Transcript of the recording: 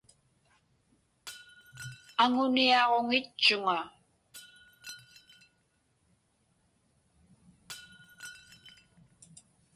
Aŋuniaġuŋitchuŋa.